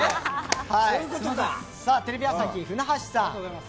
テレビ朝日、舟橋さん。